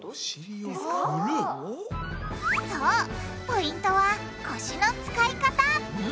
ポイントは腰の使い方！